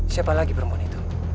siapa lagi perempuan itu